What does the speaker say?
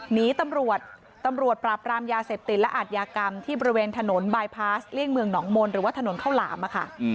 หนีตำรวจตำรวจปราบรามยาเสพติดและอาทยากรรมที่บริเวณถนนบายพาสเลี่ยงเมืองหนองมนต์หรือว่าถนนข้าวหลามค่ะ